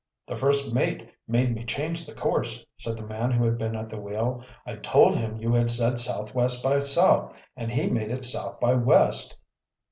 "The first mate made me change the course," said the man who had been at the wheel. "I told him you had said southwest by south, and he made it south by west."